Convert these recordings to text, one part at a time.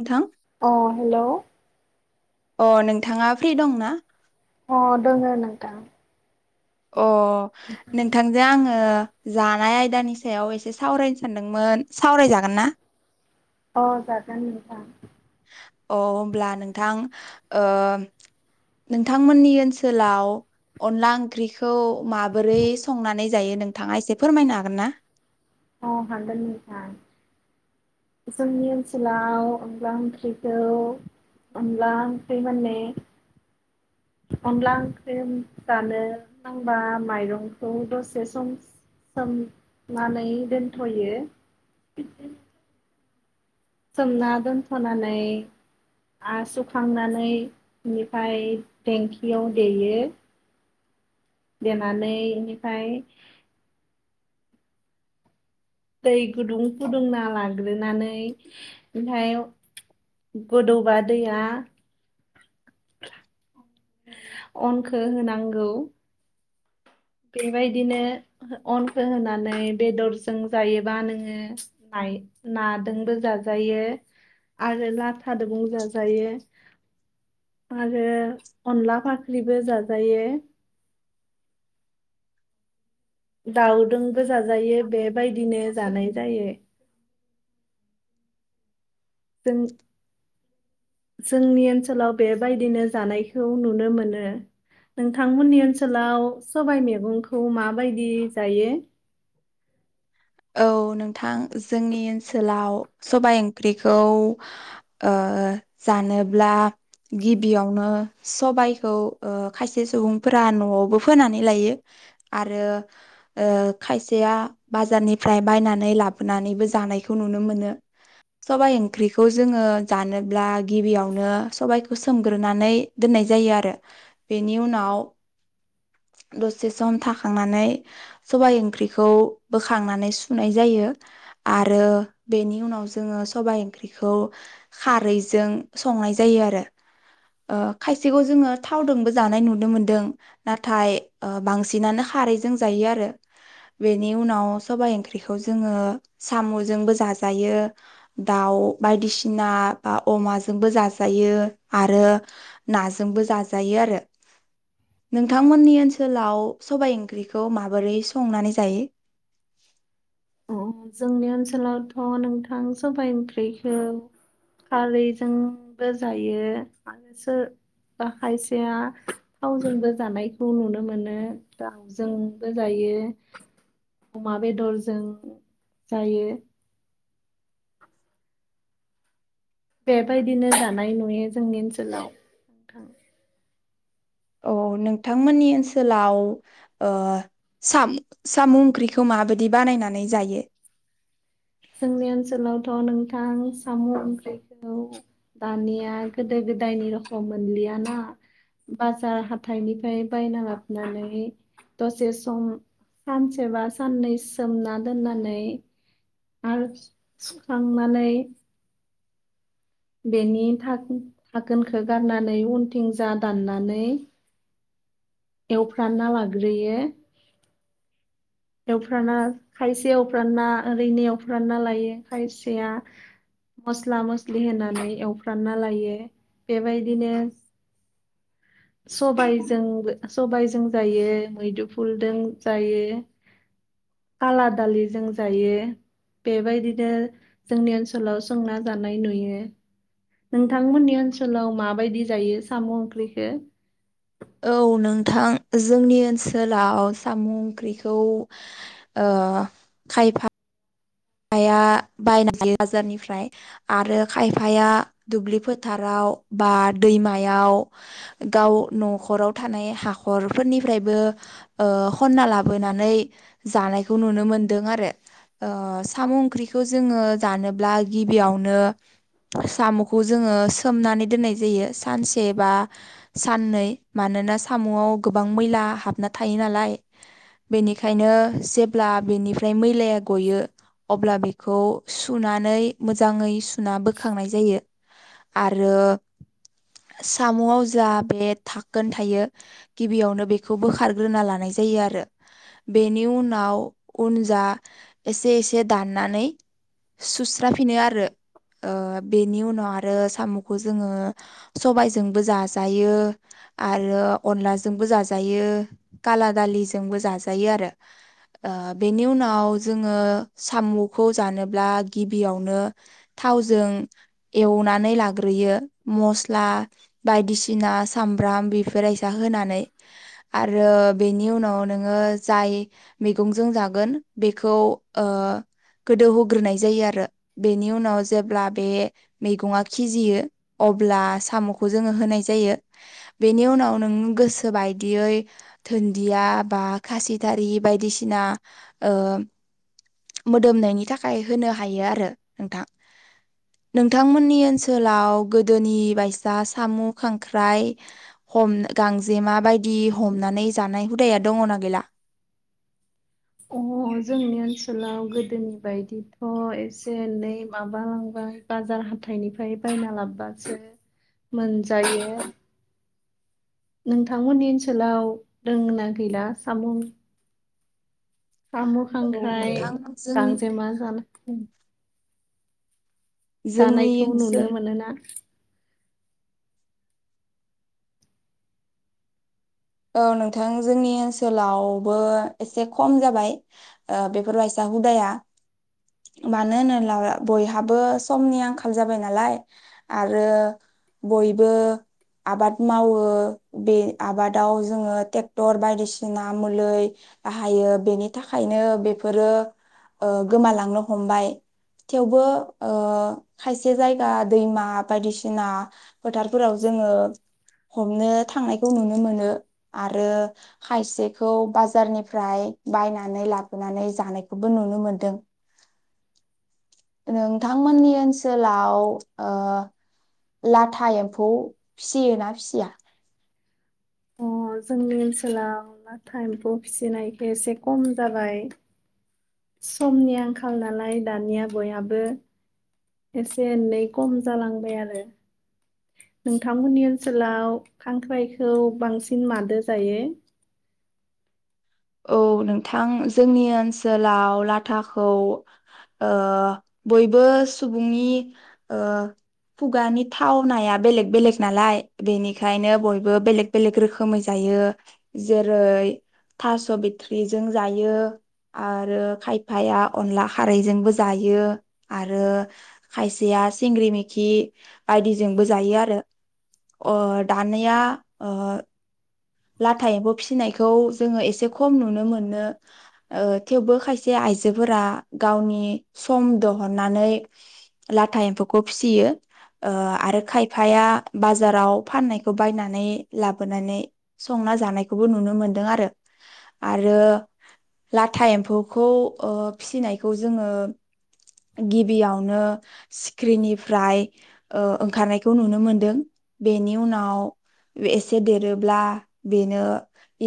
नोंथां अ हेल' अ नोंथाङा फ्रि दंना अ दंओ नोंथां अ नोंथांजों आङो जानाय आयदानि सायाव एसे सावरायनो सानदोंमोन सावरायजागोन ना अ जागोन नोंथां अ अब्ला नोंथां ओ नोंथां मोननि ओनसोलाव अन्ला ओंख्रि खौ माबोरै संनानै जायो नोंथाङा एसे फोरमायनो हागोन ना? अ हागोन नोंथां जोंनि ओनसोलाव अनला ओंख्रिखौ अनला ओंख्रि माने अनला ओंख्रि जानो नांबा माइरंखौ दसे सोमनानै दोनथ'यो। सोमना दोनथ'नानै आरो सुखांनानै बेनिफ्राय देंखियाव देयो। देनानै इनिफ्राय दै गुदुं फुदुं ना लाग्रोनानै ओमफ्राय गोदौबा दैया अनखौ होनांगौ। बेबायदिनो अनखौ होनानै बेदरजों जायोबा नोङो नाजोंबो जाजायो आरो लाथा दुबुं जाजायो आरो अनला फाख्रिबो जाजायो। दाउदोंबो जाजायो बेबायदिनो जानाय जायो। दों जोंनि ओनसोलाव बेबायदिनो जानायखौ नुनो मोनो नोंथांमोननि ओनसोलाव सबाय मैगंखौ माबायदि जायो? औ नोंथां जोंनि ओनसोलाव सबाय ओंख्रिखौ जानोब्ला गिबियावनो सबायखौ खायसे सुबुंफोरा न'आवबो फोनानै लायो आरो खायसेया बाजारनि ओमफ्राय बायनानै लाबोनानैबो जानायखौ नुनो मोनो सबाय ओंख्रिखौ जोङो जानोब्ला गिबियावनो सबाइखौ सोमग्रोनानै दोननाय जायो आरो बेनि उनाव दसे सम थांनानै सबाइ ओंख्रिखौ बोखांनानै सुनाय जायो आरो बेनि उनाव जोङो सबाइ ओंख्रिखौ खारैजों संनाय जायो आरो खायसेखौ जोङो थावजोंबो जानाय नुनो मोनदों नाथाय बांसिनानो खारैजों जायो आरो बेनि उनाव सबाइ ओंख्रि ओंख्रिखौ जोङो साम'जोंबो जाजायो दाउ बायदिसिना बा अमाजोंबो जाजायो आरो नाजोंबो जाजायो आरो नोंथांमोननि ओनसोलाव सबाय ओंख्रिखौ माबोरै संनानै जायो। जोंनि ओनसोलावथ' नोंथां सबाय ओंख्रिखौ खारैजोंबो जायो आरो सोर खायसेया थावजोंबो जानायखौ नुनो मोनो दाउजोंबो जायो अमा बेदरजों जायो। बेबायदिनो जानाय नुयो जोंनि ओनसोलाव नोंथां औ नोंथांमोननि ओनसोलावाम साम' ओंख्रिखौ माबायदि बानायनानै जायो। जोंनि ओनसोलावथ' नोंथां साम' ओंख्रि दानिया गोदो गोदायनि रखम मोनलियाना बाजार हाथाइनिफ्राय बायना हाबनानै दसे सम सानसेबा साननै सोमना दोननानै आरो सुखांनानै बेनि थाखोनखौ गारनानै उनथिं जा दाननानै एवफ्रानना लाग्रोयो एवफ्राना खायसे एवफ्रानना ओरैनो एवफ्रानना लायो खायसेया मस्ला मस्लि होनानै एवफ्रानना लायो बेबायदिनो सबायजोंबो सबायजों जायो मैद्रुफुलजों जायो। काला दालिजों जायो बेबायदिनो जोंनि ओनसोलाव संना जानाय नुयो नोंथांमोननि ओनसोलाव माबायदि जायो साम' ओंख्रिखौ औ नोंथां जोंनि ओनसोलाव साम' ओंख्रिखौ ओ खायफा खायफाया बायना जायो बाजारनिफ्राय आरो खायफाया दुब्लि फोथाराव बा दैमायाव गाव न'खराव थानाय हाखरफोरनिफ्रायबो ओ खनना लाबोनानै जानायखौ नुनो मोनदों आरो ओ साम' ओंख्रिखौ जोङो जानोब्ला गिबियावनो साम'खौ जोङो सोमनानै दोननाय जायो सानसे बा साननै मानोना साम'आव गोबां मैला हाबना थायो नालाय बेनिखायनो जेब्ला बेनिफ्राय मैलाया गयो अब्ला बेखौ सुनानै मोजाङै सुना बोखांनाय जायो आरो साम'आव जा बे थाखोन थायो गिबियावनो बेखौ बोखारग्रोना लानाय जायो आरो बेनि उनाव उन जा एसे एसे एसे दाननानै सुस्राफिनो आरो ओ बेनि उनाव आरो साम'खौ जोङो सबायजोंबो जाजायो आरो अनलाजोंबो जाजायो खाला दालिजोंबो जाजायो आरो बेनि ओ उनाव जोङो साम'खौ जानोब्ला गिबियावनो थावजों एवनानै लाग्रोयो मस्ला बायदिसिना सामब्राम बेफोर बायसा होनानै आरो बेनि उनाव नोङो जाय मैगंजों जागोन बेखौ ओ गोदौहोग्रोनाय जायो आरो बेनि उनाव जेब्ला बे मैगङा खिजियो अब्ला साम'खौ जोङो होनाय जायो बेनि उनाव नों गोसो बायदियै दुन्दिया बा खासिथारि बायदिसिना ओ मोदोमनायनि थाखाय होनो हायो आरो नोंथां नोंथांमोननि ओनसोलाव गोदोनि बायसा साम' खांख्राइ हमना गांजेमा बायदि हमनानै जानाय हुदाया दङना गैला? अ जोंनि ओनसोलाव गोदोनि बायदिथ' एसे एनै माबालांबाय बाजार हाथाइनिफ्राय बायना लाबोबासो मोनजायो नोंथांमोननि ओनसोलाव दोंना गैला सामु सामु औ खांख्राय नोंथां जों गांजेमा जानाय जोंनि दानायखौ नुनो ओनसोल मोनोना औ नोंथां जोंनि ओनसोलावबो एसे खम जाबाय ओ बेफोरबायसा हुदाया मानो होनोब्ला बयहाबो समनि आंखाल जाबाय नालाय आरो बयबो आबाद मावो बे आबाद आव जोङो ट्रेक्टर बायदिसिना मुलै बाहायो बेनि थाखायनो बेफोरो ओ गोमालांनो हमबाय थेवबो ओ खायसे जायगा दैमा बायदिसिना फोथारफोराव जोङो हमनो थांनायखौ नुनो मोनो आरो खायसेखौ बाजारनिफ्राय बायनानै लाबोनानै जानायखौबो नुनो मोनदों नोंथांमोननि ओनसोलाव ओ लाथा एम्फौ फिसियोना फिसिया जोंनि ओनसोलाव लाथा एम्फौ फिसिनायखौ एसे खम जाबाय समनि आंखाल नालाय दानिया बयहाबो एसे एनै खम जालांबाय आरो नोंथांमोननि ओनसोलाव खांख्राइखौ मादो जायो? औ नोंथां जोंनि ओनसोलाव लाथाखौ ओ बयबो सुबुंनि ओ खुगानि थाव नाया बेलेग बेलेग नालाय बेनिखायनो बयबो बेलेग बेलेग रोखोमै जायो जेरै थास' बिट्रिजों जायो आरो खायफाया अनला खारैजोंबो जायो आरो खायसेया सिंग्रि मेखि बायदिजोंबो जायो आरो अ दानिया अ लाथा एम्फौ फिसिनायखौ जोङो एसे खम नुनो मोनो ओ थेवबो खायसे आइजोफोरा गावनि सम दहननानै लाथा एम्फौखौ फिसियो ओ आरो खायफाया बाजाराव फाननायखौ बायनानै लाबोनानै संना जानायखौबो नुनो मोनदों आरो आरो लाथा एम्फौखौ ओ फिसिनायखौ जोङो गिबियावनो सिख्रिनिफ्राय ओ ओंखारनायखौ नुनो मोनदों बेनि उनाव एसे देरोब्ला बेनो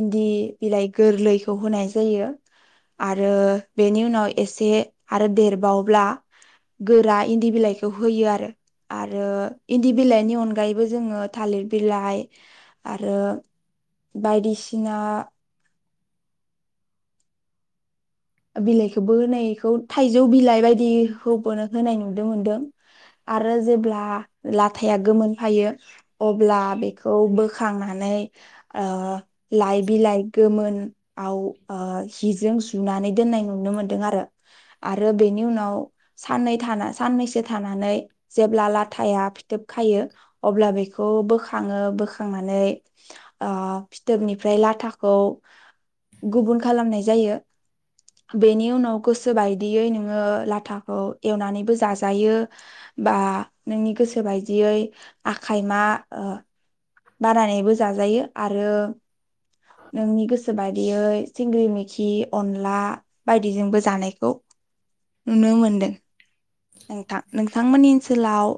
इन्दि बिलाइ गोरलैखौ होनाय जायो आरो बेनि उनाव एसे आरो देरबाव ब्ला गोरा इन्दि बिलाइखौ होयो आरो आरो इन्दि बिलाइनि अनगायैबो जोङो थालिर बिलाइ आरो बायदिसिना बिलाइखौबो होनायखौ थाइजौ बिलाइ बायदि होबोनो होनाय नुनो मोनदों आरो जेब्ला लाथाया गोमोनफायो अब्ला बेखौ बोखांनानै ओ लाइ बिलाइ गोमोनआव ओ हिजों सुनानै दोननाय नुनो मोनदों आरो आरो बेनि उनाव साननै साननैसो थानानै जेब्ला लाथाया फिथोब खायो अब्ला बेखौ बोखाङो बोखांनानै ओ फिथोबनिफ्राय लाथाखौ गुबुन खालामनाय जायो बेनि उनाव गोसो बायदियै नोङो लाथाखौ एवनानैबो जाजायो बा नोंनि गोसो बायदियै आखाइ मा ओ बानानैबो जाजायो आरो नोंनि गोसो बादियै सिंगि मोखि अनला बायदिजोंबो जानायखौ नुनो मोनदों नोंथां नोंथांमोननि ओनसोलाव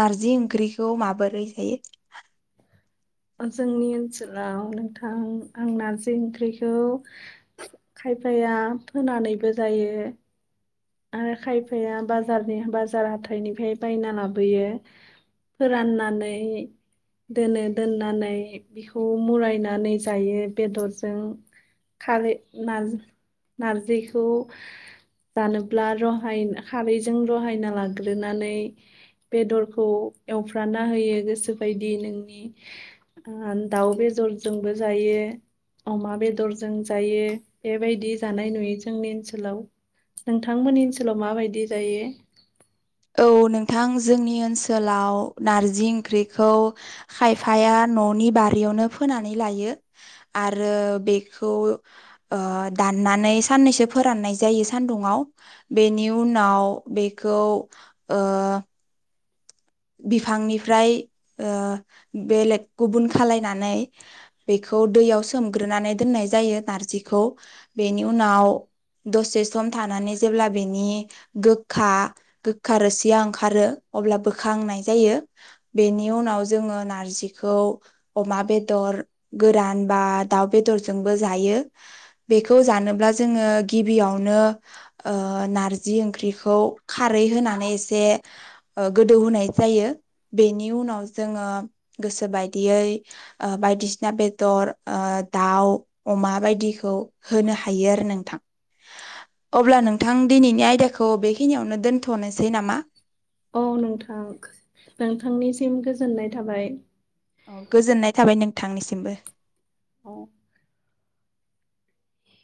नारजि ओंख्रिखौ माबोरै जायो? जोंनि ओनसोलाव नोंथां आं नारजि ओंख्रिखौ खायफाया थुमनानैबो जायो आरो खायफाया बाजारनि बाजार हाथाइनिफ्राय बायना लाबोयो फोराननानै दोनो दोननानै बेखौ मुरायनानै जायो बेदरजों खारै नारजि नारजिखौ जानो [unintelligible] रहाय खारैजों रहायना लाग्रोनानै बेदरखौ एवफ्राना होयो गोसोबायदि नोंनि दाउ बेदरजोंबो जायो अमा बेदरजों जायो बेबायदि जानाय नुयो जोंनि ओनसोलाव नोंथांमोननि ओनसोलाव माबायदि जायो? औ नोंथां जोंनि ओनसोलाव नारजि ओंख्रिखौ खायफाया न'नि बारियावनो फोनानै लायो आरो बेखौ ओ दाननानै साननैसो फोराननाय जायो सान्दुंङाव बेनि उनाव बेखौ ओ बिफांनिफ्राय ओ बेलेग गुबुन खालायनानै बेखौ दैयाव सोमग्रोनानै दोननाय जायो नारजिखौ बेनि उनाव दसे सम थानानै जेब्ला बेनि गोखा गोखा रोसिया ओंखारो अब्ला बो खांनाय जायो बेनि उनाव जोङो नारजिखौ अमा बेदर गोरान बा दाउ बेदरजोंबो जायो बेखौ जानोब्ला जोङो गिबियावनो नारजि ओ ओंख्रिखौ खारै होनानै एसे ओ गोदौ होनाय जायो बेनि उनाव जोङो गोसो बायदियै ओ बायदिसिना बेदर ओ दाउ अमा बायदिखौ होनो हायो आरो नोंथां अब्ला नोंथां दिनैनि आयदाखौ बेखिनियावनो दोन्थ'नोसै नामा? औ नोंथां नोंथांनिसिम गोजोननाय थाबाय औ गोजोननाय थाबाय नोंथांनिसिमबो औ